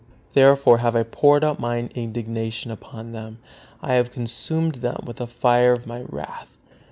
Therefore have I poured out Mine indignation upon them; I have consumed them with the fire of My wrath."